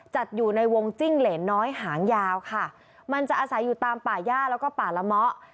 จัดอยู่ในวงจิ้งเหรนน้อยหางยาวค่ะมันจะอาศัยอยู่ตามป่าย่าแล้วก็ป่าละเมาะ